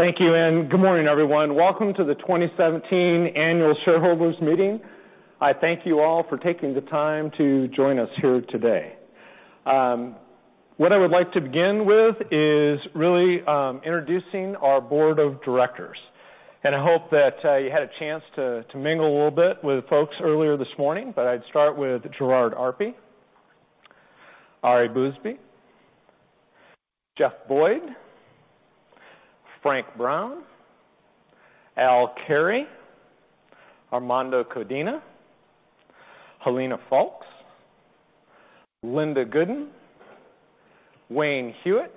Thank you. Good morning, everyone. Welcome to the 2017 Annual Shareholders Meeting. I thank you all for taking the time to join us here today. What I would like to begin with is really introducing our board of directors. I hope that you had a chance to mingle a little bit with folks earlier this morning, but I'd start with Gerard Arpey, Ari Bousbib, Jeff Boyd, J. Frank Brown, Al Carey, Armando Codina, Helena Foulkes, Linda Gooden, Wayne Hewett,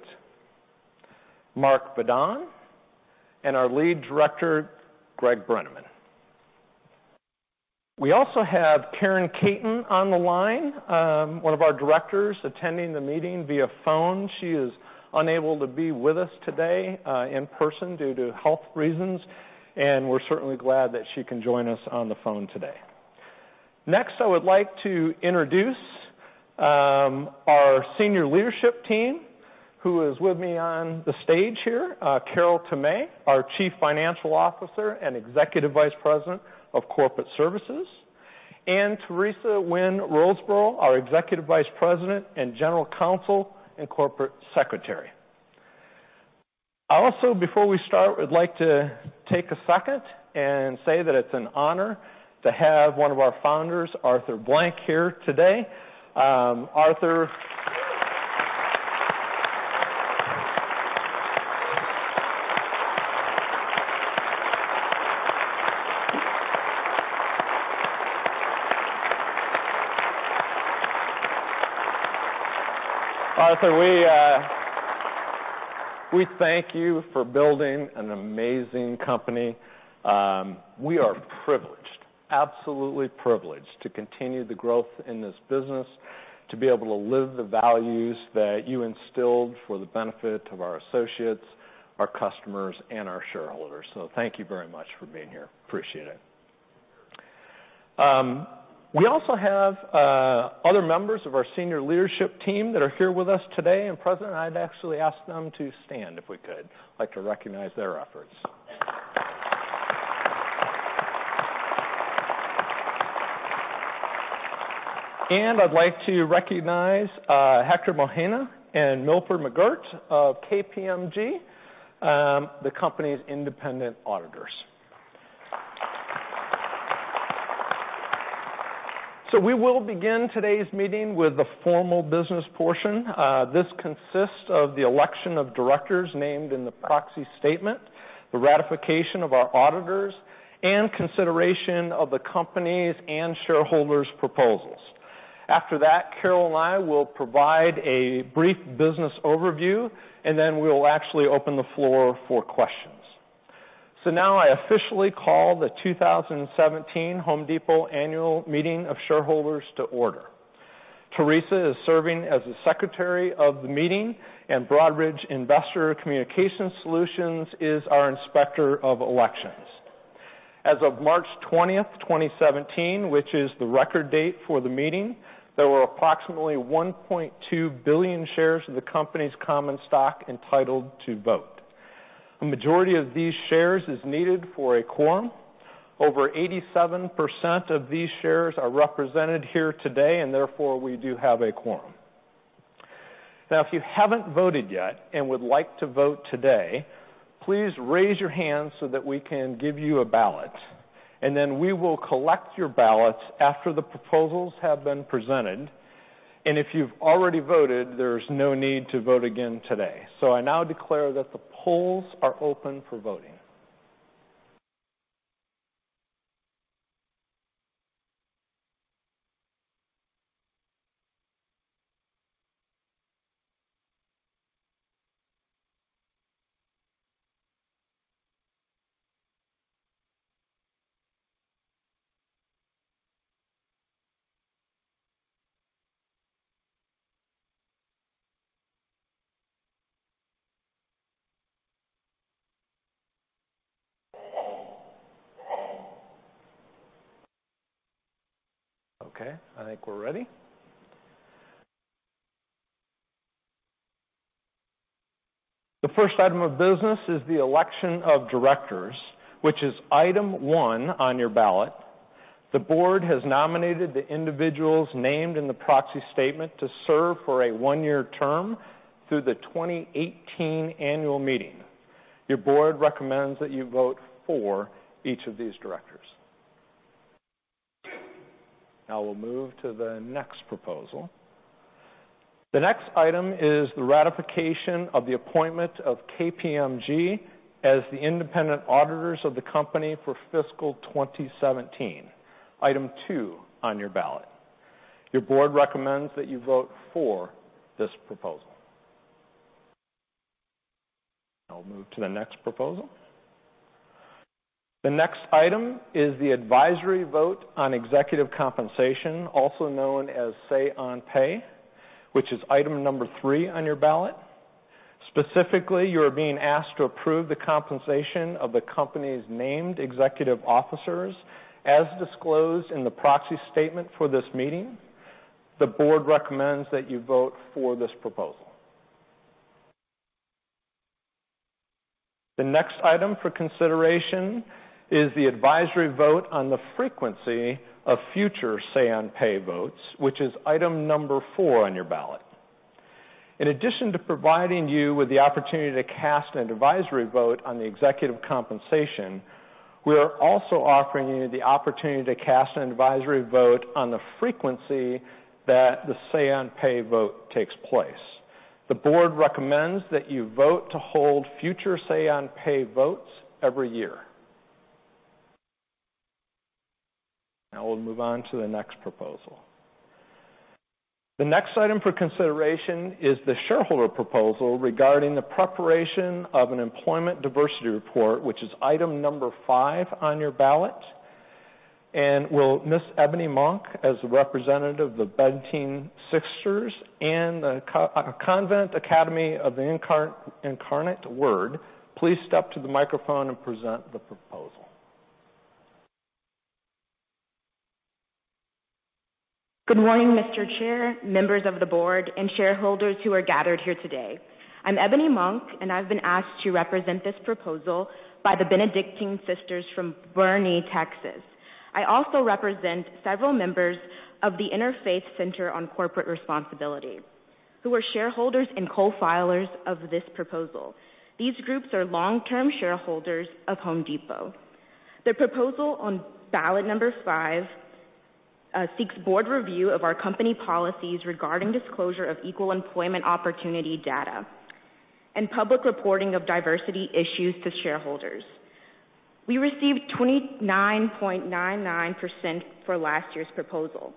Mark Vadon, and our lead director, Greg Brenneman. We also have Karen Katz on the line, one of our directors attending the meeting via phone. She is unable to be with us today in person due to health reasons. We're certainly glad that she can join us on the phone today. Next, I would like to introduce our senior leadership team, who is with me on the stage here. Carol Tomé, our Chief Financial Officer and Executive Vice President of Corporate Services, and Teresa Wynn Roseborough, our Executive Vice President and General Counsel and Corporate Secretary. Before we start, I would like to take a second and say that it's an honor to have one of our founders, Arthur Blank, here today. Arthur. Arthur, we thank you for building an amazing company. We are privileged, absolutely privileged, to continue the growth in this business, to be able to live the values that you instilled for the benefit of our associates, our customers, and our shareholders. Thank you very much for being here. Appreciate it. We also have other members of our senior leadership team that are here with us today in person. I'd actually ask them to stand if we could. I'd like to recognize their efforts. I'd like to recognize Hector Mojena and Milford McGuirt of KPMG, the company's independent auditors. We will begin today's meeting with the formal business portion. This consists of the election of directors named in the proxy statement, the ratification of our auditors, and consideration of the company's and shareholders' proposals. After that, Carol and I will provide a brief business overview. Then we will actually open the floor for questions. Now I officially call the 2017 Home Depot Annual Meeting of Shareholders to order. Teresa is serving as the secretary of the meeting, and Broadridge Investor Communication Solutions is our inspector of elections. As of March 20th, 2017, which is the record date for the meeting, there were approximately 1.2 billion shares of the company's common stock entitled to vote. A majority of these shares is needed for a quorum. Over 87% of these shares are represented here today. Therefore, we do have a quorum. If you haven't voted yet and would like to vote today, please raise your hand so that we can give you a ballot. Then we will collect your ballots after the proposals have been presented. If you've already voted, there's no need to vote again today. I now declare that the polls are open for voting. I think we're ready. The first item of business is the election of directors, which is item one on your ballot. The board has nominated the individuals named in the proxy statement to serve for a one-year term through the 2018 annual meeting. Your board recommends that you vote for each of these directors. We'll move to the next proposal. The next item is the ratification of the appointment of KPMG as the independent auditors of the company for fiscal 2017, item 2 on your ballot. Your board recommends that you vote for this proposal. We'll move to the next proposal. The next item is the advisory vote on executive compensation, also known as Say on Pay, which is item number 3 on your ballot. Specifically, you are being asked to approve the compensation of the company's named executive officers as disclosed in the proxy statement for this meeting. The board recommends that you vote for this proposal. The next item for consideration is the advisory vote on the frequency of future Say on Pay votes, which is item number 4 on your ballot. In addition to providing you with the opportunity to cast an advisory vote on the executive compensation, we are also offering you the opportunity to cast an advisory vote on the frequency that the Say on Pay vote takes place. The board recommends that you vote to hold future Say on Pay votes every year. We'll move on to the next proposal. The next item for consideration is the shareholder proposal regarding the preparation of an employment diversity report, which is item number 5 on your ballot. Will Miss Ebony Monk, as a representative of the Benedictine Sisters and the Incarnate Word Academy, please step to the microphone and present the proposal. Good morning, Mr. Chair, members of the board, and shareholders who are gathered here today. I'm Ebony Monk, and I've been asked to represent this proposal by the Benedictine Sisters from Boerne, Texas. I also represent several members of the Interfaith Center on Corporate Responsibility, who are shareholders and co-filers of this proposal. These groups are long-term shareholders of The Home Depot. The proposal on ballot number 5 seeks board review of our company policies regarding disclosure of Equal Employment Opportunity data and public reporting of diversity issues to shareholders. We received 29.99% for last year's proposal.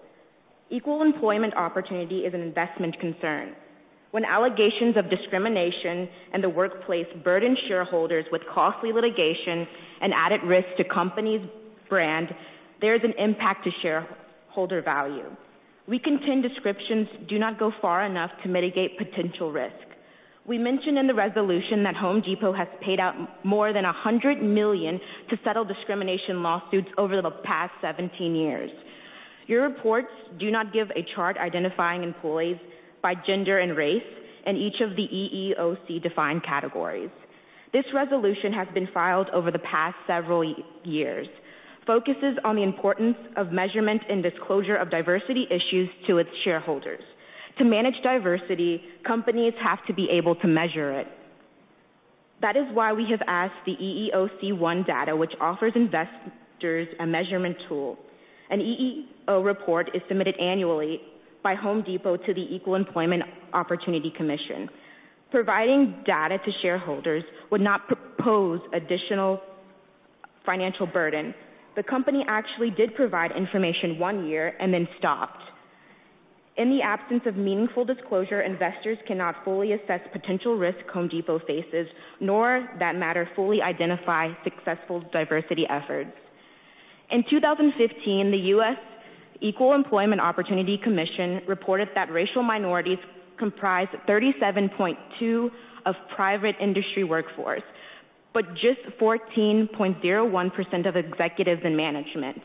Equal Employment Opportunity is an investment concern. When allegations of discrimination in the workplace burden shareholders with costly litigation and added risk to company's brand, there is an impact to shareholder value. We contend descriptions do not go far enough to mitigate potential risk. We mentioned in the resolution that The Home Depot has paid out more than $100 million to settle discrimination lawsuits over the past 17 years. Your reports do not give a chart identifying employees by gender and race in each of the EEOC-defined categories. This resolution has been filed over the past several years, focuses on the importance of measurement and disclosure of diversity issues to its shareholders. To manage diversity, companies have to be able to measure it. That is why we have asked the EEOC 1 data which offers investors a measurement tool. An EEO report is submitted annually by The Home Depot to the Equal Employment Opportunity Commission. Providing data to shareholders would not propose additional financial burden. The company actually did provide information one year and then stopped. In the absence of meaningful disclosure, investors cannot fully assess potential risk The Home Depot faces, nor, for that matter, fully identify successful diversity efforts. In 2015, the U.S. Equal Employment Opportunity Commission reported that racial minorities comprise 37.2% of private industry workforce, but just 14.01% of executives and management.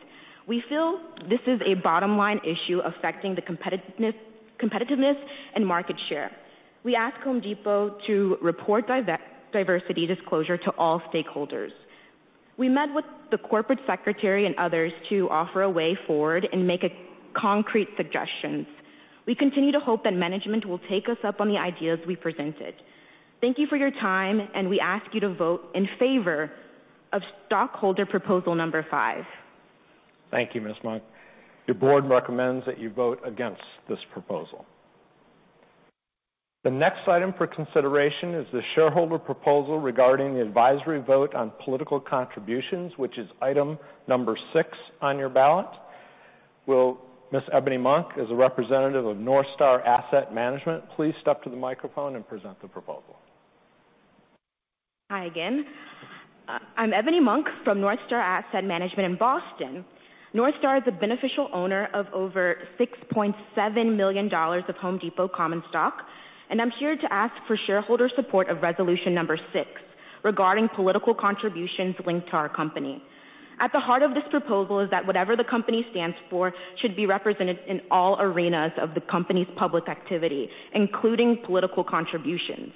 We feel this is a bottom-line issue affecting the competitiveness and market share. We ask The Home Depot to report diversity disclosure to all stakeholders. We met with the corporate secretary and others to offer a way forward and make concrete suggestions. We continue to hope that management will take us up on the ideas we presented. Thank you for your time, and we ask you to vote in favor of stockholder proposal number five. Thank you, Ms. Monk. The board recommends that you vote against this proposal. The next item for consideration is the shareholder proposal regarding the advisory vote on political contributions, which is item number six on your ballot. Will Ms. Ebony Monk, as a representative of NorthStar Asset Management, please step to the microphone and present the proposal. Hi again. I'm Ebony Monk from NorthStar Asset Management in Boston. NorthStar is a beneficial owner of over $6.7 million of The Home Depot common stock, I'm here to ask for shareholder support of resolution number six, regarding political contributions linked to our company. At the heart of this proposal is that whatever the company stands for should be represented in all arenas of the company's public activity, including political contributions.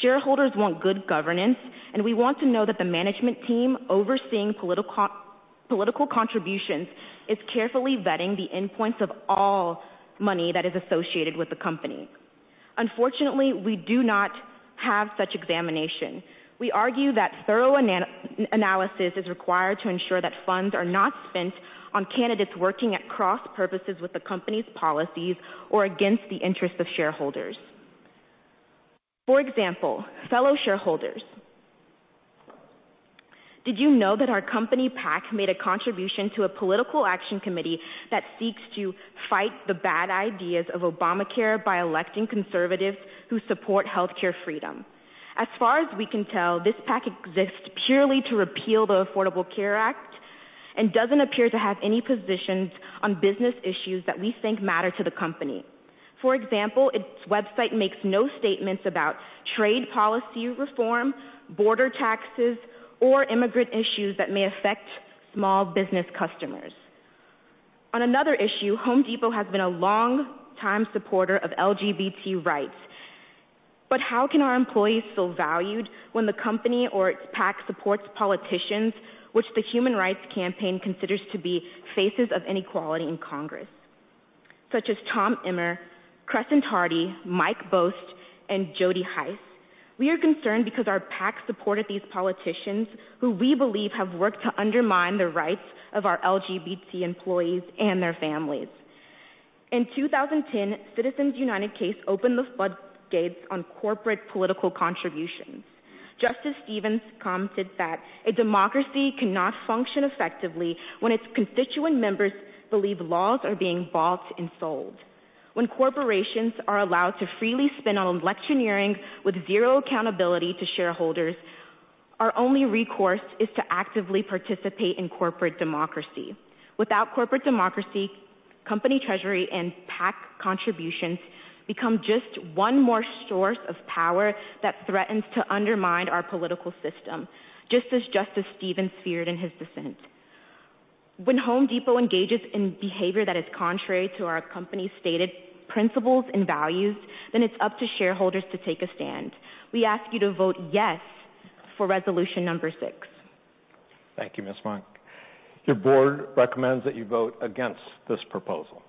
Shareholders want good governance, We want to know that the management team overseeing political contributions is carefully vetting the endpoints of all money that is associated with the company. Unfortunately, we do not have such examination. We argue that thorough analysis is required to ensure that funds are not spent on candidates working at cross purposes with the company's policies or against the interest of shareholders. For example, fellow shareholders, did you know that our company PAC made a contribution to a political action committee that seeks to fight the bad ideas of Obamacare by electing conservatives who support healthcare freedom? As far as we can tell, this PAC exists purely to repeal the Affordable Care Act and doesn't appear to have any positions on business issues that we think matter to the company. For example, its website makes no statements about trade policy reform, border taxes, or immigrant issues that may affect small business customers. On another issue, The Home Depot has been a long time supporter of LGBT rights. How can our employees feel valued when the company or its PAC supports politicians, which the Human Rights Campaign considers to be faces of inequality in Congress, such as Tom Emmer, Crescent Hardy, Mike Bost, and Jody Hice? We are concerned because our PAC supported these politicians, who we believe have worked to undermine the rights of our LGBT employees and their families. In 2010, Citizens United case opened the floodgates on corporate political contributions. Justice Stevens commented that a democracy cannot function effectively when its constituent members believe laws are being bought and sold. When corporations are allowed to freely spend on electioneering with zero accountability to shareholders, our only recourse is to actively participate in corporate democracy. Without corporate democracy, company treasury, and PAC contributions become just one more source of power that threatens to undermine our political system, just as Justice Stevens feared in his dissent. When Home Depot engages in behavior that is contrary to our company's stated principles and values, it's up to shareholders to take a stand. We ask you to vote yes for resolution number 6. Thank you, Ms. Monk. Your board recommends that you vote against this proposal.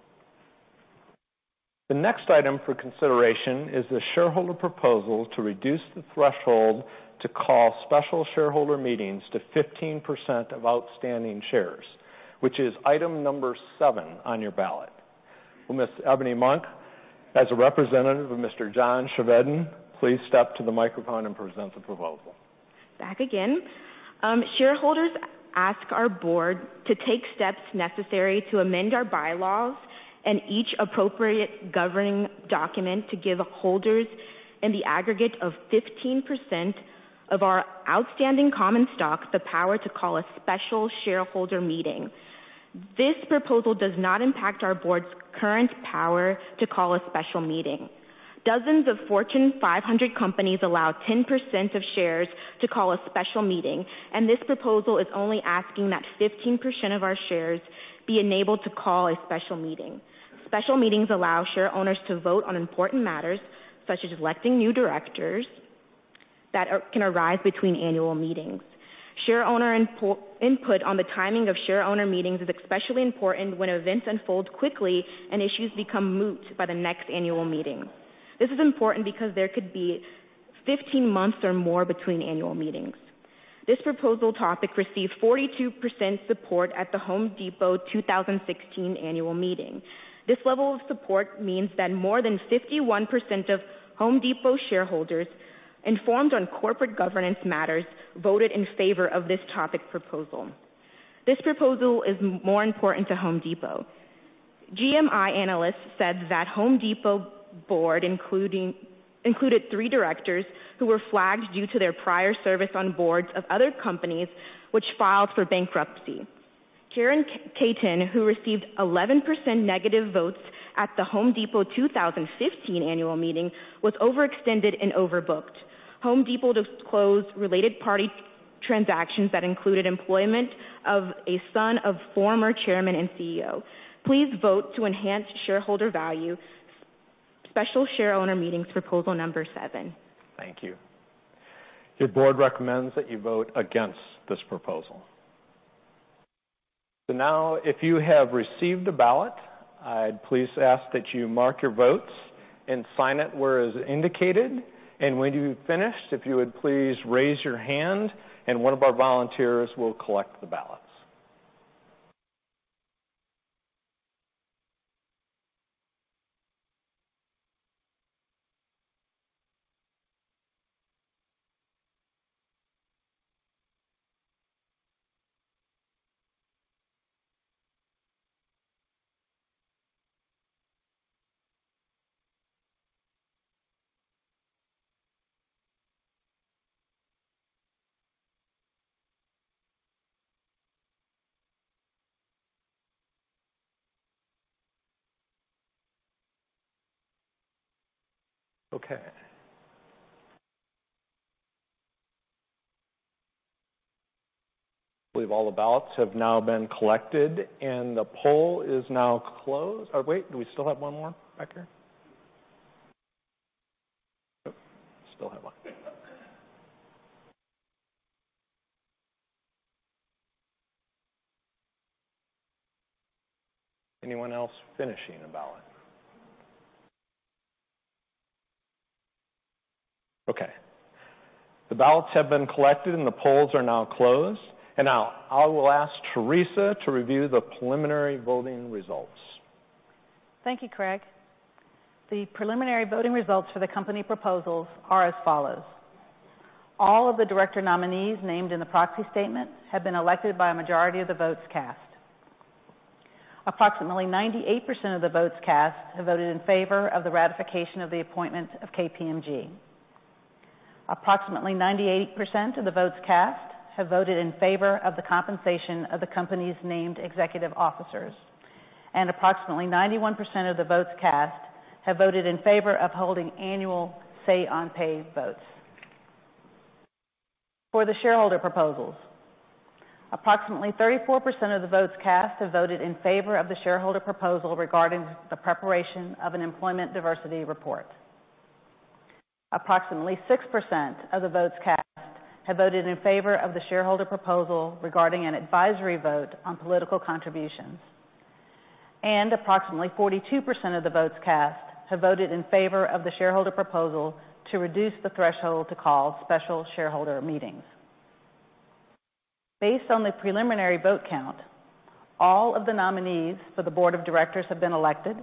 The next item for consideration is the shareholder proposal to reduce the threshold to call special shareholder meetings to 15% of outstanding shares, which is item number 7 on your ballot. Will Ms. Ebony Monk, as a representative of Mr. John Chevedden, please step to the microphone and present the proposal. Back again. Shareholders ask our board to take steps necessary to amend our bylaws and each appropriate governing document to give holders in the aggregate of 15% of our outstanding common stock the power to call a special shareholder meeting. This proposal does not impact our board's current power to call a special meeting. Dozens of Fortune 500 companies allow 10% of shares to call a special meeting. This proposal is only asking that 15% of our shares be enabled to call a special meeting. Special meetings allow share owners to vote on important matters, such as electing new directors, that can arise between annual meetings. Share owner input on the timing of share owner meetings is especially important when events unfold quickly and issues become moot by the next annual meeting. This is important because there could be 15 months or more between annual meetings. This proposal topic received 42% support at The Home Depot 2016 annual meeting. This level of support means that more than 51% of Home Depot shareholders informed on corporate governance matters voted in favor of this topic proposal. This proposal is more important to Home Depot. GMI analysts said that Home Depot board included three directors who were flagged due to their prior service on boards of other companies which filed for bankruptcy. Karen Katz, who received 11% negative votes at The Home Depot 2015 annual meeting, was overextended and overbooked. Home Depot disclosed related party transactions that included employment of a son of former Chairman and CEO. Please vote to enhance shareholder value, special shareowner meetings proposal number 7. Thank you. Your board recommends that you vote against this proposal. Now, if you have received a ballot, I'd please ask that you mark your votes and sign it where is indicated. When you've finished, if you would please raise your hand and one of our volunteers will collect the ballots. Okay. I believe all the ballots have now been collected, and the poll is now closed. Oh, wait. Do we still have one more back there? Still have one. Anyone else finishing a ballot? Okay. The ballots have been collected, and the polls are now closed. Now I will ask Teresa to review the preliminary voting results. Thank you, Craig. The preliminary voting results for the company proposals are as follows. All of the director nominees named in the proxy statement have been elected by a majority of the votes cast. Approximately 98% of the votes cast have voted in favor of the ratification of the appointments of KPMG. Approximately 98% of the votes cast have voted in favor of the compensation of the company's named executive officers, and approximately 91% of the votes cast have voted in favor of holding annual Say on Pay votes. For the shareholder proposals, approximately 34% of the votes cast have voted in favor of the shareholder proposal regarding the preparation of an employment diversity report. Approximately 6% of the votes cast have voted in favor of the shareholder proposal regarding an advisory vote on political contributions, and approximately 42% of the votes cast have voted in favor of the shareholder proposal to reduce the threshold to call special shareholder meetings. Based on the preliminary vote count, all of the nominees for the board of directors have been elected,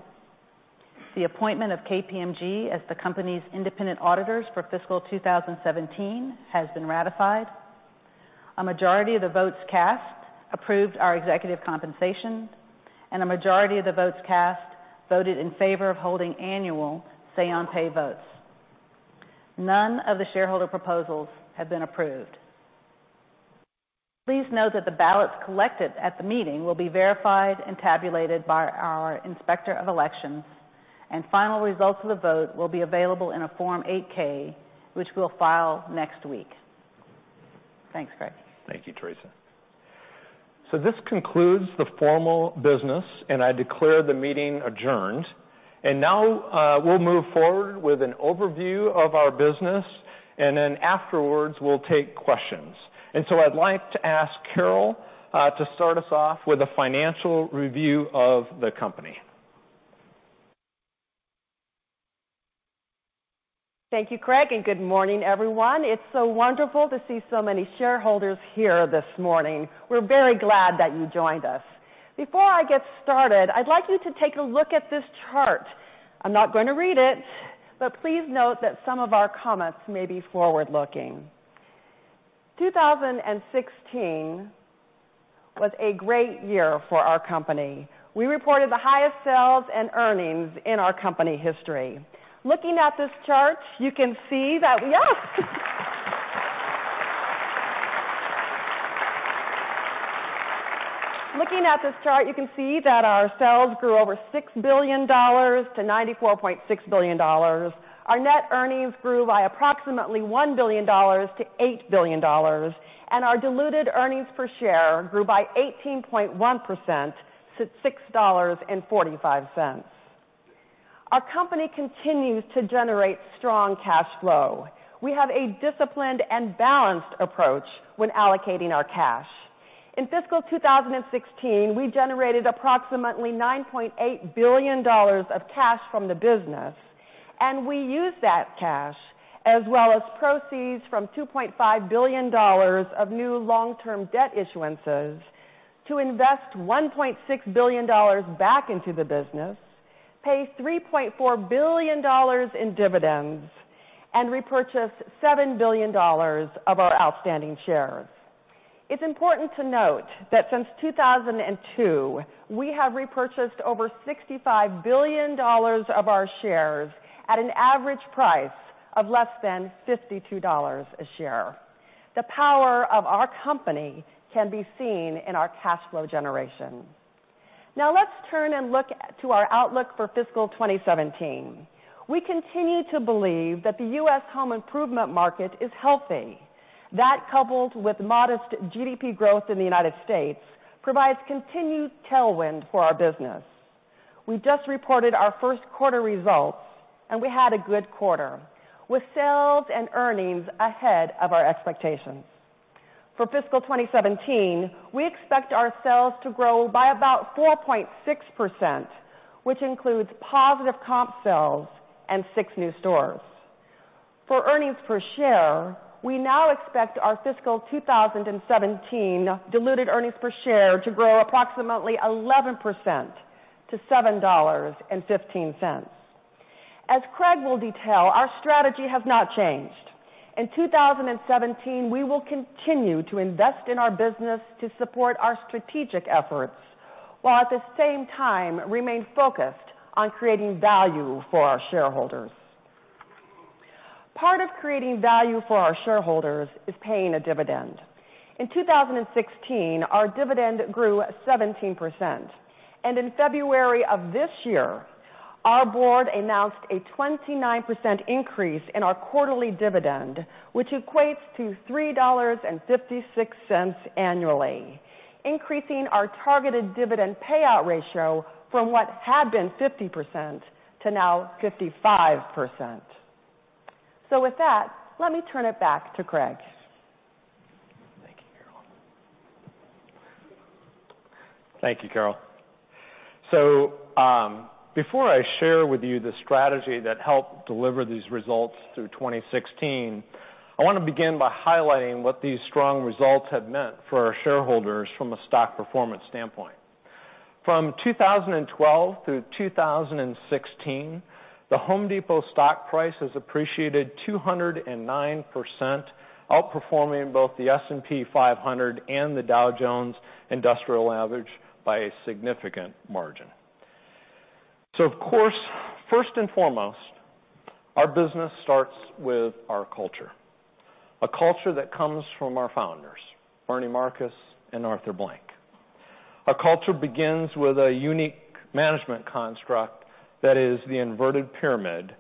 the appointment of KPMG as the company's independent auditors for fiscal 2017 has been ratified, a majority of the votes cast approved our executive compensation, and a majority of the votes cast voted in favor of holding annual Say on Pay votes. None of the shareholder proposals have been approved. Please note that the ballots collected at the meeting will be verified and tabulated by our Inspector of Elections, and final results of the vote will be available in a Form 8-K, which we'll file next week. Thanks, Craig. Thank you, Teresa. This concludes the formal business, and I declare the meeting adjourned. Now we'll move forward with an overview of our business, and then afterwards, we'll take questions. I'd like to ask Carol to start us off with a financial review of the company. Thank you, Craig. Good morning, everyone. It is so wonderful to see so many shareholders here this morning. We are very glad that you joined us. Before I get started, I would like you to take a look at this chart. I am not going to read it, but please note that some of our comments may be forward-looking. 2016 was a great year for our company. We reported the highest sales and earnings in our company history. Looking at this chart, you can see that our sales grew over $6 billion to $94.6 billion. Our net earnings grew by approximately $1 billion to $8 billion, and our diluted earnings per share grew by 18.1% to $6.45. Our company continues to generate strong cash flow. We have a disciplined and balanced approach when allocating our cash. In fiscal 2016, we generated approximately $9.8 billion of cash from the business, and we used that cash, as well as proceeds from $2.5 billion of new long-term debt issuances to invest $1.6 billion back into the business, pay $3.4 billion in dividends, and repurchase $7 billion of our outstanding shares. It is important to note that since 2002, we have repurchased over $65 billion of our shares at an average price of less than $52 a share. The power of our company can be seen in our cash flow generation. Let us turn and look to our outlook for fiscal 2017. We continue to believe that the U.S. home improvement market is healthy. That, coupled with modest GDP growth in the United States, provides continued tailwind for our business. We just reported our first quarter results, and we had a good quarter, with sales and earnings ahead of our expectations. For fiscal 2017, we expect our sales to grow by about 4.6%, which includes positive comp sales and six new stores. For earnings per share, we now expect our fiscal 2017 diluted earnings per share to grow approximately 11% to $7.15. As Craig will detail, our strategy has not changed. In 2017, we will continue to invest in our business to support our strategic efforts, while at the same time remain focused on creating value for our shareholders. Part of creating value for our shareholders is paying a dividend. In 2016, our dividend grew 17%, and in February of this year, our board announced a 29% increase in our quarterly dividend, which equates to $3.56 annually, increasing our targeted dividend payout ratio from what had been 50% to now 55%. With that, let me turn it back to Craig. Thank you, Carol. Before I share with you the strategy that helped deliver these results through 2016, I want to begin by highlighting what these strong results have meant for our shareholders from a stock performance standpoint. From 2012 through 2016, The Home Depot stock price has appreciated 209%, outperforming both the S&P 500 and the Dow Jones Industrial Average by a significant margin. Of course, first and foremost, our business starts with our culture, a culture that comes from our founders, Bernie Marcus and Arthur Blank. Our culture begins with a unique management construct, that is the inverted pyramid,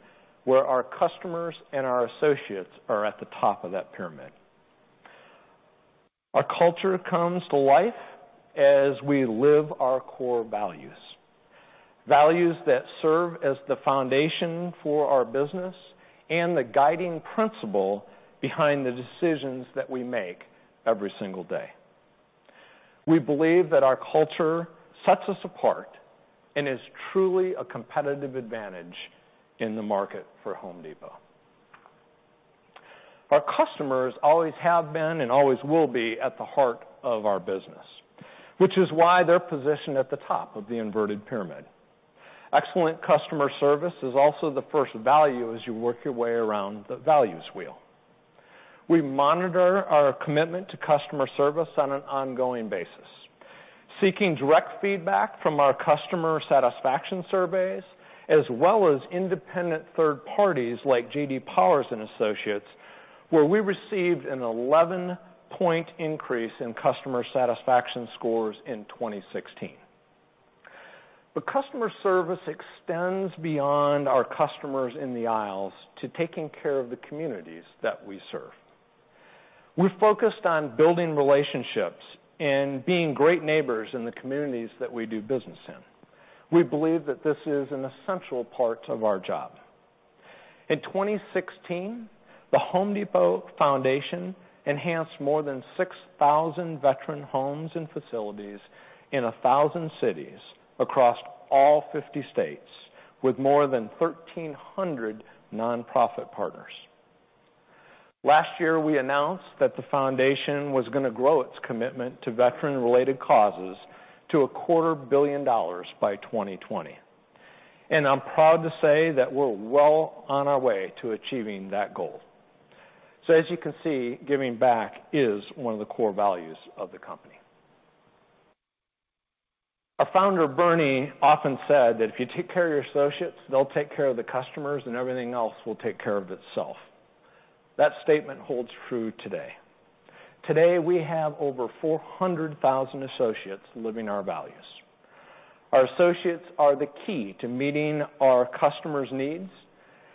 where our customers and our associates are at the top of that pyramid. Our culture comes to life as we live our core values that serve as the foundation for our business and the guiding principle behind the decisions that we make every single day. We believe that our culture sets us apart and is truly a competitive advantage in the market for The Home Depot. Our customers always have been and always will be at the heart of our business, which is why they're positioned at the top of the inverted pyramid. Excellent customer service is also the first value as you work your way around the values wheel. We monitor our commitment to customer service on an ongoing basis, seeking direct feedback from our customer satisfaction surveys as well as independent third parties like J.D. Power and Associates, where we received an 11-point increase in customer satisfaction scores in 2016. Customer service extends beyond our customers in the aisles to taking care of the communities that we serve. We're focused on building relationships and being great neighbors in the communities that we do business in. We believe that this is an essential part of our job. In 2016, The Home Depot Foundation enhanced more than 6,000 veteran homes and facilities in 1,000 cities across all 50 states with more than 1,300 nonprofit partners. Last year, we announced that the foundation was going to grow its commitment to veteran-related causes to a quarter billion dollars by 2020, and I'm proud to say that we're well on our way to achieving that goal. As you can see, giving back is one of the core values of the company. Our founder, Bernie, often said that if you take care of your associates, they'll take care of the customers, and everything else will take care of itself. That statement holds true today. Today, we have over 400,000 associates living our values. Our associates are the key to meeting our customers' needs,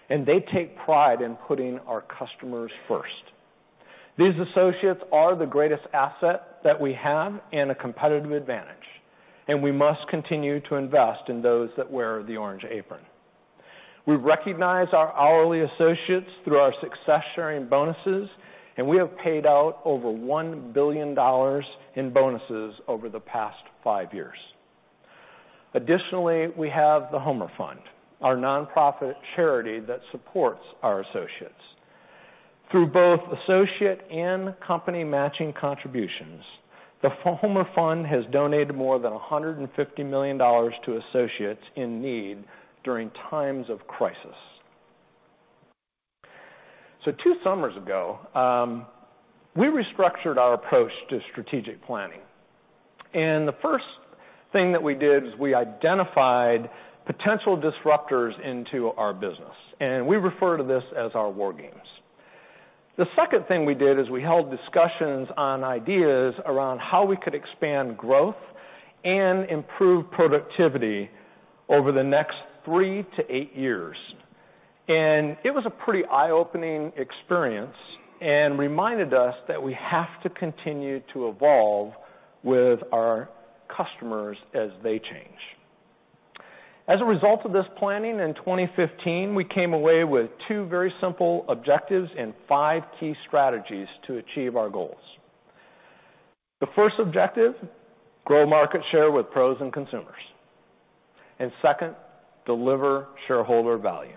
and they take pride in putting our customers first. These associates are the greatest asset that we have and a competitive advantage, and we must continue to invest in those that wear the orange apron. We recognize our hourly associates through our success-sharing bonuses, and we have paid out over $1 billion in bonuses over the past five years. Additionally, we have The Homer Fund, our nonprofit charity that supports our associates. Through both associate and company matching contributions, The Homer Fund has donated more than $150 million to associates in need during times of crisis. Two summers ago, we restructured our approach to strategic planning, and the first thing that we did was we identified potential disruptors into our business, and we refer to this as our war games. The second thing we did is we held discussions on ideas around how we could expand growth and improve productivity over the next three to eight years. It was a pretty eye-opening experience and reminded us that we have to continue to evolve with our customers as they change. As a result of this planning in 2015, we came away with two very simple objectives and five key strategies to achieve our goals. The first objective, grow market share with pros and consumers. Second, deliver shareholder value.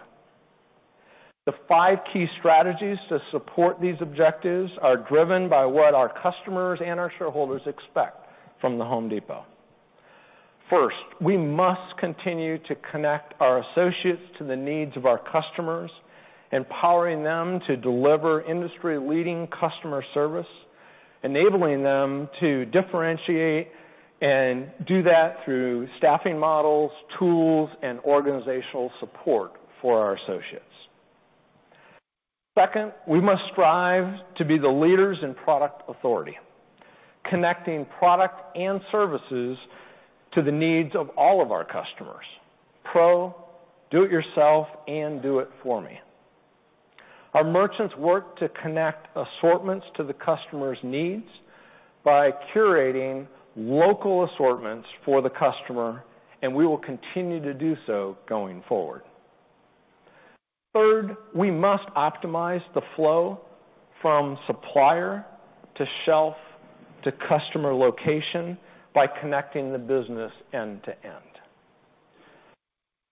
The five key strategies to support these objectives are driven by what our customers and our shareholders expect from The Home Depot. First, we must continue to connect our associates to the needs of our customers, empowering them to deliver industry-leading customer service, enabling them to differentiate and do that through staffing models, tools, and organizational support for our associates. Second, we must strive to be the leaders in product authority, connecting product and services to the needs of all of our customers, pro, do it yourself, and do it for me. Our merchants work to connect assortments to the customer's needs by curating local assortments for the customer, and we will continue to do so going forward. Third, we must optimize the flow from supplier to shelf to customer location by connecting the business end to end.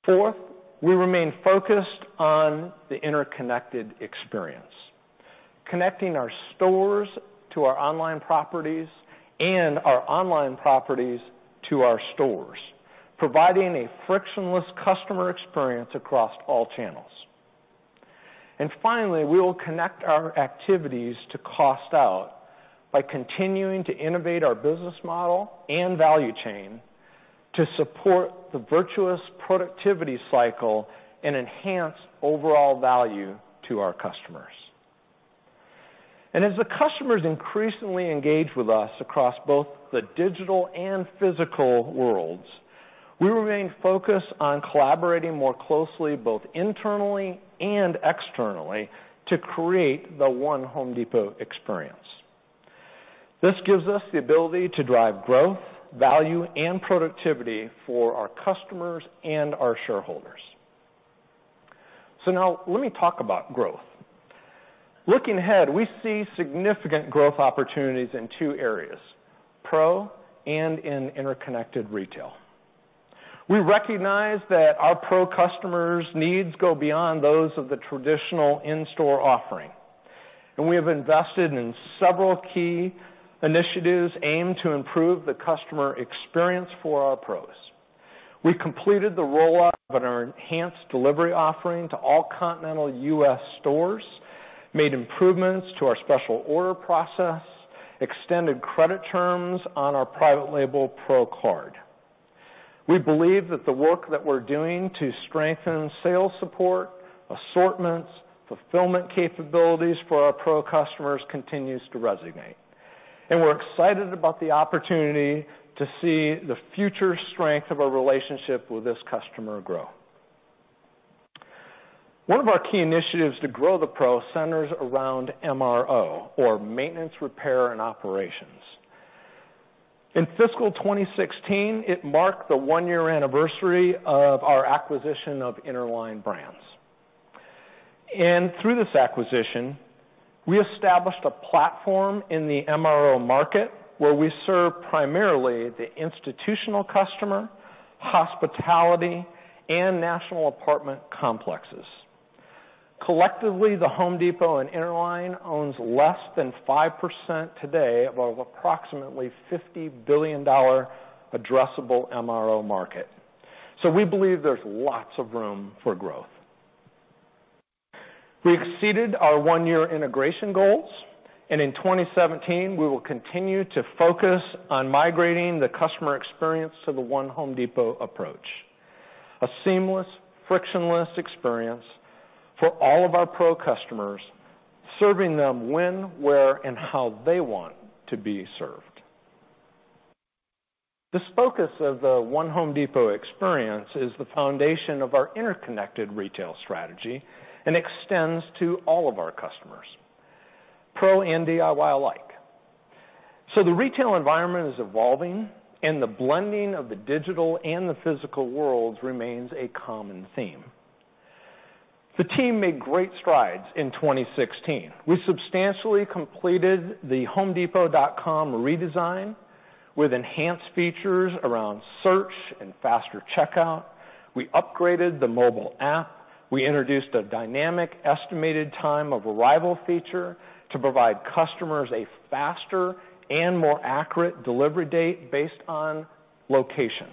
Fourth, we remain focused on the interconnected experience, connecting our stores to our online properties and our online properties to our stores, providing a frictionless customer experience across all channels. Finally, we will connect our activities to cost out by continuing to innovate our business model and value chain to support the virtuous productivity cycle and enhance overall value to our customers. As the customers increasingly engage with us across both the digital and physical worlds, we remain focused on collaborating more closely, both internally and externally, to create the one Home Depot experience. This gives us the ability to drive growth, value, and productivity for our customers and our shareholders. Now let me talk about growth. Looking ahead, we see significant growth opportunities in two areas, pro and in interconnected retail. We recognize that our pro customers' needs go beyond those of the traditional in-store offering. We have invested in several key initiatives aimed to improve the customer experience for our pros. We completed the rollout of an enhanced delivery offering to all continental U.S. stores, made improvements to our special order process, extended credit terms on our private label pro card. We believe that the work that we're doing to strengthen sales support, assortments, fulfillment capabilities for our pro customers continues to resonate. We're excited about the opportunity to see the future strength of our relationship with this customer grow. One of our key initiatives to grow the pro centers around MRO or maintenance, repair and operations. In fiscal 2016, it marked the one-year anniversary of our acquisition of Interline Brands. Through this acquisition, we established a platform in the MRO market where we serve primarily the institutional customer, hospitality, and national apartment complexes. Collectively, The Home Depot and Interline owns less than 5% today of approximately $50 billion addressable MRO market. We believe there's lots of room for growth. We exceeded our one-year integration goals, and in 2017, we will continue to focus on migrating the customer experience to the one Home Depot approach, a seamless frictionless experience for all of our pro customers, serving them when, where, and how they want to be served. This focus of the one Home Depot experience is the foundation of our interconnected retail strategy and extends to all of our customers, pro and DIY alike. The retail environment is evolving and the blending of the digital and the physical worlds remains a common theme. The team made great strides in 2016. We substantially completed the homedepot.com redesign with enhanced features around search and faster checkout. We upgraded the mobile app. We introduced a dynamic estimated time of arrival feature to provide customers a faster and more accurate delivery date based on location.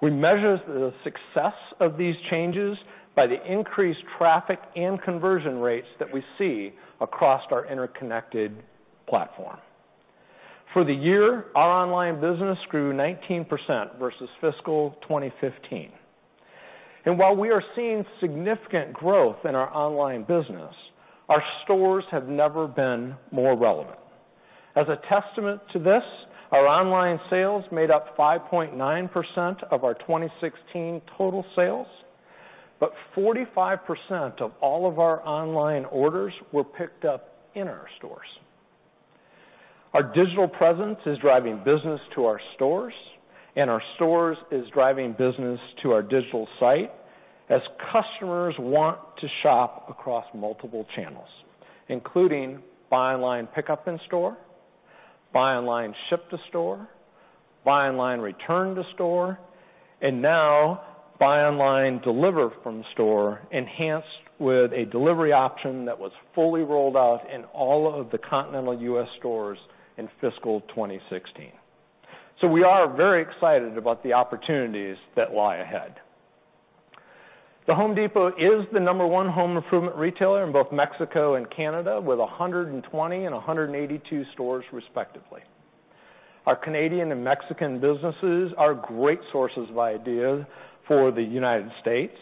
We measure the success of these changes by the increased traffic and conversion rates that we see across our interconnected platform. For the year, our online business grew 19% versus fiscal 2015. While we are seeing significant growth in our online business, our stores have never been more relevant. As a testament to this, our online sales made up 5.9% of our 2016 total sales, but 45% of all of our online orders were picked up in our stores. Our digital presence is driving business to our stores, and our stores is driving business to our digital site as customers want to shop across multiple channels, including buy online, pickup in store, buy online, ship to store, buy online, return to store, and now buy online, deliver from store enhanced with a delivery option that was fully rolled out in all of the continental U.S. stores in fiscal 2016. We are very excited about the opportunities that lie ahead. The Home Depot is the number one home improvement retailer in both Mexico and Canada, with 120 and 182 stores respectively. Our Canadian and Mexican businesses are great sources of ideas for the United States,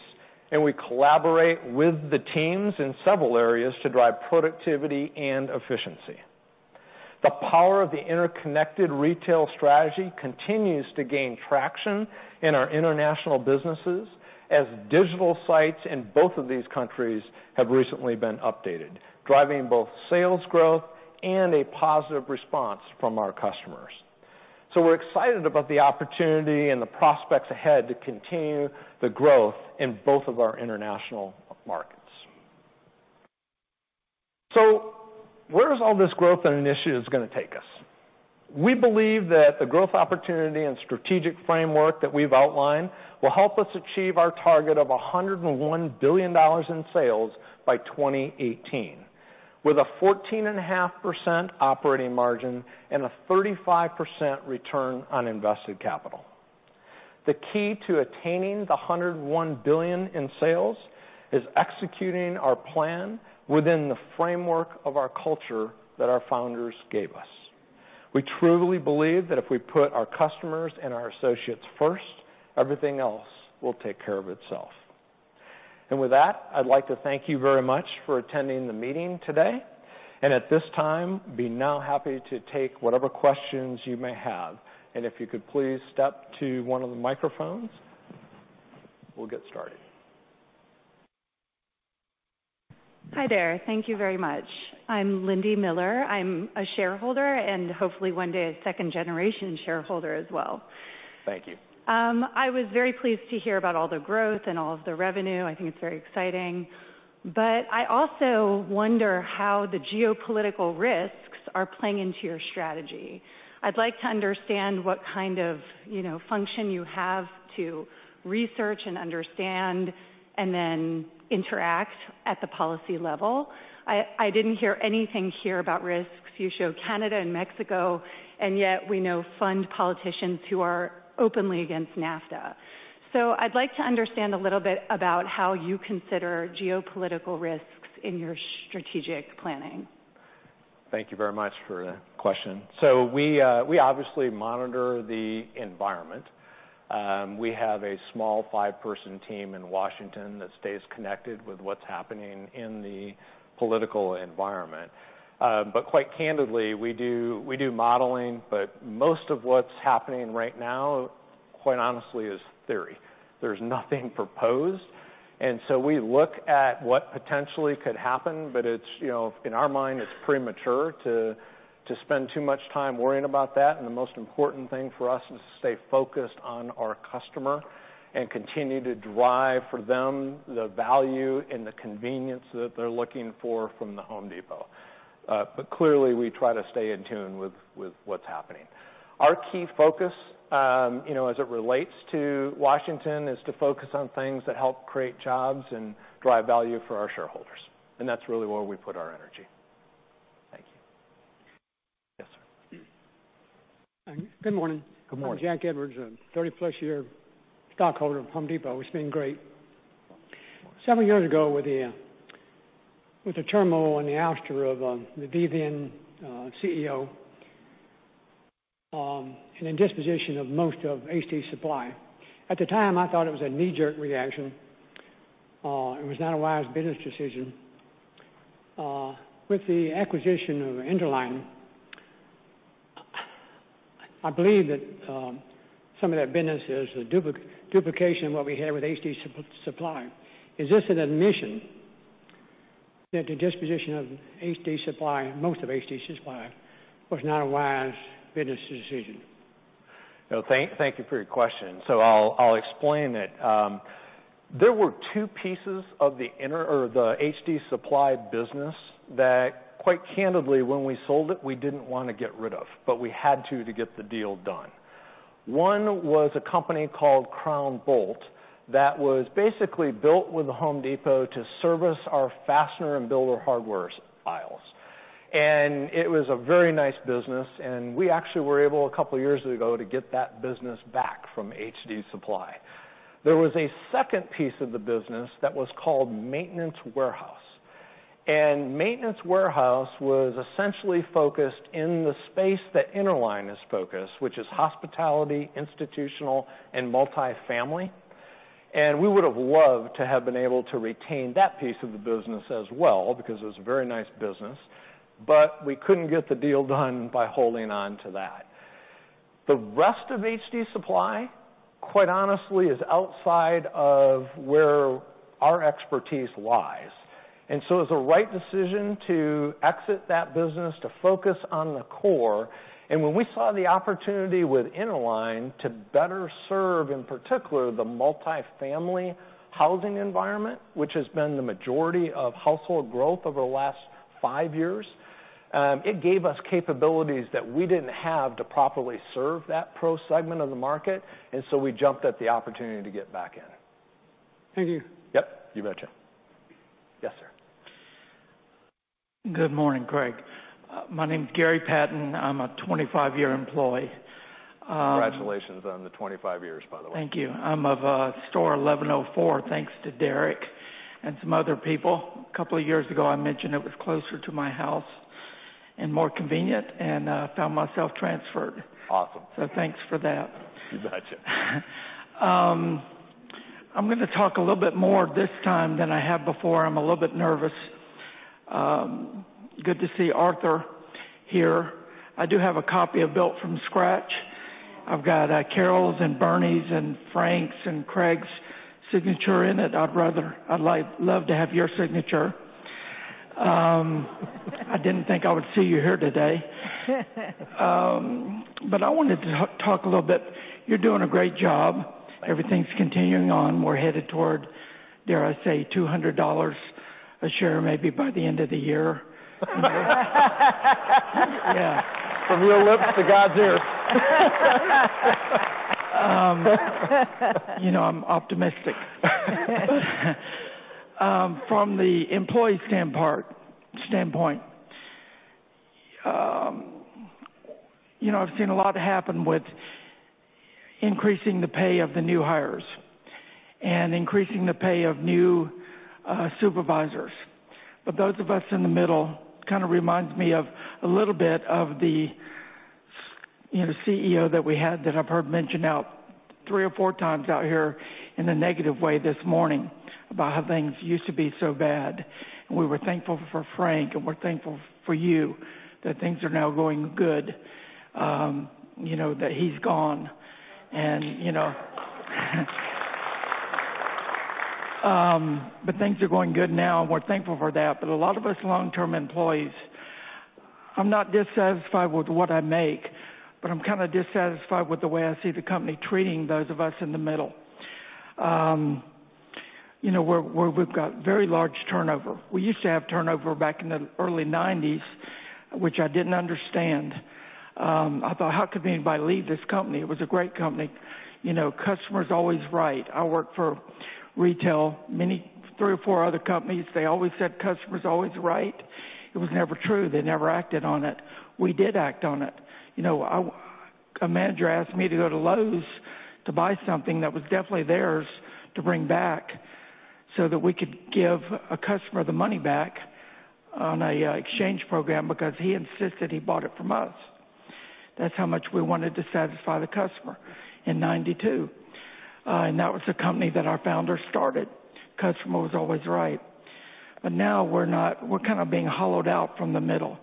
and we collaborate with the teams in several areas to drive productivity and efficiency. The power of the interconnected retail strategy continues to gain traction in our international businesses as digital sites in both of these countries have recently been updated, driving both sales growth and a positive response from our customers. We're excited about the opportunity and the prospects ahead to continue the growth in both of our international markets. Where is all this growth and initiatives going to take us? We believe that the growth opportunity and strategic framework that we've outlined will help us achieve our target of $101 billion in sales by 2018, with a 14.5% operating margin and a 35% return on invested capital. The key to attaining the $101 billion in sales is executing our plan within the framework of our culture that our founders gave us. We truly believe that if we put our customers and our associates first, everything else will take care of itself. With that, I'd like to thank you very much for attending the meeting today. At this time, be now happy to take whatever questions you may have. If you could please step to one of the microphones, we'll get started. Hi there. Thank you very much. I'm Lindy Miller. I'm a shareholder and hopefully one day a second-generation shareholder as well. Thank you. I was very pleased to hear about all the growth and all of the revenue. I think it's very exciting. I also wonder how the geopolitical risks are playing into your strategy. I'd like to understand what kind of function you have to research and understand and then interact at the policy level. I didn't hear anything here about risks. You show Canada and Mexico, and yet we know fund politicians who are openly against NAFTA. I'd like to understand a little bit about how you consider geopolitical risks in your strategic planning. Thank you very much for the question. We obviously monitor the environment. We have a small five-person team in Washington that stays connected with what's happening in the political environment. Quite candidly, we do modeling, but most of what's happening right now, quite honestly, is theory. There's nothing proposed, we look at what potentially could happen, but in our mind, it's premature to spend too much time worrying about that. The most important thing for us is to stay focused on our customer and continue to drive for them the value and the convenience that they're looking for from The Home Depot. Clearly, we try to stay in tune with what's happening. Our key focus, as it relates to Washington, is to focus on things that help create jobs and drive value for our shareholders. That's really where we put our energy. Thank you. Yes, sir. Good morning. Good morning. I'm Jack Edwards, a 30-plus year stockholder of The Home Depot. It's been great. Several years ago with the turmoil and the ouster of the then CEO, and the disposition of most of HD Supply. At the time, I thought it was a knee-jerk reaction. It was not a wise business decision. With the acquisition of Interline, I believe that some of that business is a duplication of what we had with HD Supply. Is this an admission that the disposition of HD Supply, most of HD Supply, was not a wise business decision? Thank you for your question. I'll explain it. There were two pieces of the HD Supply business that, quite candidly, when we sold it, we didn't want to get rid of, but we had to get the deal done. One was a company called Crown Bolt that was basically built with The Home Depot to service our fastener and builder hardware aisles. It was a very nice business, and we actually were able, a couple of years ago, to get that business back from HD Supply. There was a second piece of the business that was called Maintenance Warehouse, and Maintenance Warehouse was essentially focused in the space that Interline is focused, which is hospitality, institutional, and multi-family. We would have loved to have been able to retain that piece of the business as well because it was a very nice business. We couldn't get the deal done by holding on to that. The rest of HD Supply, quite honestly, is outside of where our expertise lies. It's a right decision to exit that business to focus on the core. When we saw the opportunity with Interline to better serve, in particular, the multi-family housing environment, which has been the majority of household growth over the last five years, it gave us capabilities that we didn't have to properly serve that pro segment of the market. We jumped at the opportunity to get back in. Thank you. Yep, you betcha. Yes, sir. Good morning, Craig. My name's Gary Patton. I'm a 25-year employee. Congratulations on the 25 years, by the way. Thank you. I'm of store 1104, thanks to Derek and some other people. A couple of years ago, I mentioned it was closer to my house and more convenient and found myself transferred. Awesome. Thanks for that. You betcha. I'm going to talk a little bit more this time than I have before. I'm a little bit nervous. Good to see Arthur here. I do have a copy of Built from Scratch. I've got Carol's and Bernie's and Frank's and Craig's signature in it. I'd love to have your signature. I didn't think I would see you here today. I wanted to talk a little bit. You're doing a great job. Thank you. Everything's continuing on. We're headed toward, dare I say, $200 a share, maybe by the end of the year. From your lips to God's ears. I'm optimistic. From the employee standpoint I've seen a lot happen with increasing the pay of the new hires and increasing the pay of new supervisors. Those of us in the middle, kind of reminds me a little bit of the CEO that we had that I've heard mentioned out three or four times out here in a negative way this morning, about how things used to be so bad. We were thankful for Frank, and we're thankful for you that things are now going good, that he's gone. Things are going good now, and we're thankful for that. A lot of us long-term employees, I'm not dissatisfied with what I make, but I'm kind of dissatisfied with the way I see the company treating those of us in the middle, where we've got very large turnover. We used to have turnover back in the early 90s, which I didn't understand. I thought, how could anybody leave this company? It was a great company. Customer's always right. I worked for retail, three or four other companies, they always said customer's always right. It was never true. They never acted on it. We did act on it. A manager asked me to go to Lowe's to buy something that was definitely theirs to bring back so that we could give a customer the money back on an exchange program because he insisted he bought it from us. That's how much we wanted to satisfy the customer in 92. That was the company that our founder started. Customer was always right. Now we're kind of being hollowed out from the middle.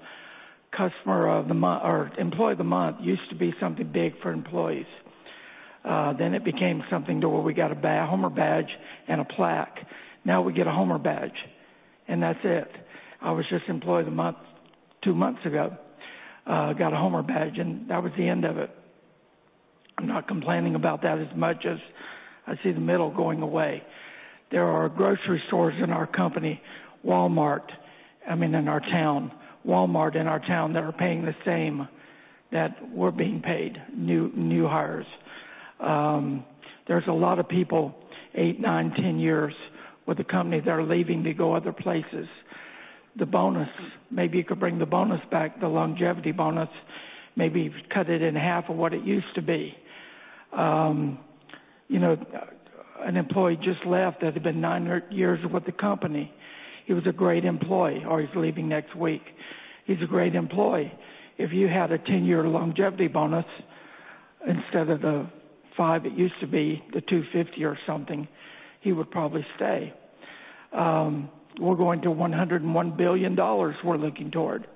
Employee of the month used to be something big for employees. It became something to where we got a Homer badge and a plaque. Now we get a Homer badge, and that's it. I was just employee of the month two months ago, got a Homer badge, and that was the end of it. I'm not complaining about that as much as I see the middle going away. There are grocery stores in our town, Walmart in our town, that are paying the same that we're being paid, new hires. There's a lot of people, eight, nine, 10 years with the company that are leaving to go other places. The bonus, maybe you could bring the bonus back, the longevity bonus, maybe cut it in half of what it used to be. An employee just left that had been nine years with the company. He was a great employee. He's leaving next week. He's a great employee. If you had a 10-year longevity bonus instead of the five it used to be, the $250 or something, he would probably stay. We're going to $101 billion we're looking toward.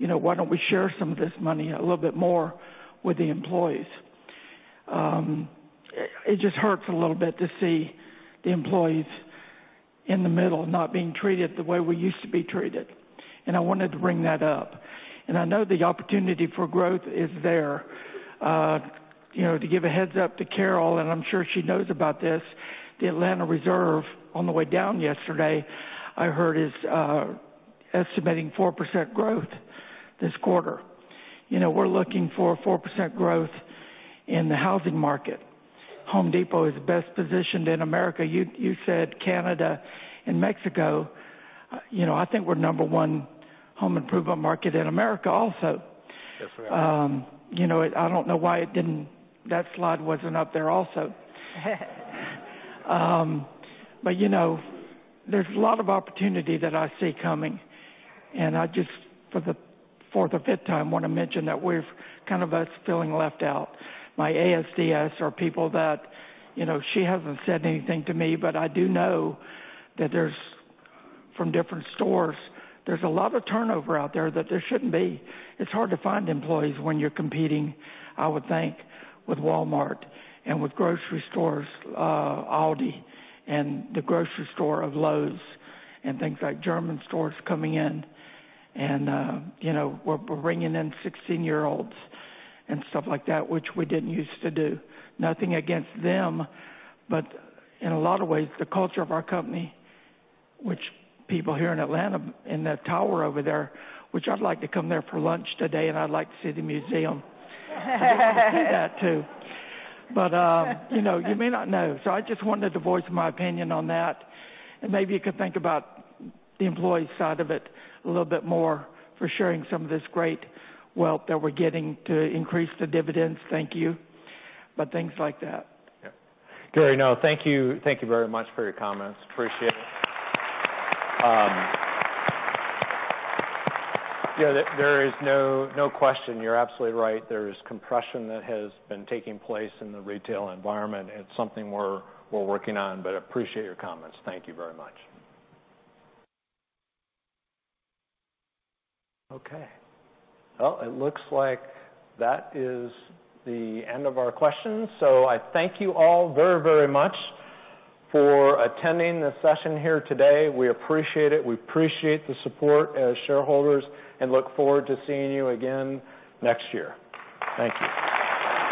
Why don't we share some of this money a little bit more with the employees? It just hurts a little bit to see the employees in the middle not being treated the way we used to be treated, and I wanted to bring that up. I know the opportunity for growth is there. To give a heads-up to Carol, and I'm sure she knows about this, the Atlanta Reserve, on the way down yesterday, I heard is estimating 4% growth this quarter. We're looking for 4% growth in the housing market. The Home Depot is best positioned in America. You said Canada and Mexico. I think we're number 1 home improvement market in America also. That's right. I don't know why that slide wasn't up there also. There's a lot of opportunity that I see coming, and I just, for the fifth time, want to mention that we're kind of feeling left out. My ASDS are people that, she hasn't said anything to me, but I do know that from different stores, there's a lot of turnover out there that there shouldn't be. It's hard to find employees when you're competing, I would think, with Walmart and with grocery stores, Aldi, and [the grocery store of Lowes], and things like German stores coming in. We're bringing in 16-year-olds and stuff like that, which we didn't used to do. Nothing against them, in a lot of ways, the culture of our company, which people here in Atlanta, in that tower over there, which I'd like to come there for lunch today, and I'd like to see the museum. I'd like to see that, too. You may not know. I just wanted to voice my opinion on that, and maybe you could think about the employee side of it a little bit more for sharing some of this great wealth that we're getting to increase the dividends. Thank you. Things like that. Yeah. Gary, no, thank you very much for your comments. Appreciate it. There is no question. You're absolutely right. There is compression that has been taking place in the retail environment. It's something we're working on, appreciate your comments. Thank you very much. Okay. Well, it looks like that is the end of our questions. I thank you all very, very much for attending the session here today. We appreciate it. We appreciate the support as shareholders and look forward to seeing you again next year. Thank you.